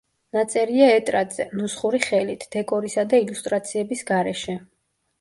ნაწერია ეტრატზე, ნუსხური ხელით, დეკორისა და ილუსტრაციების გარეშე.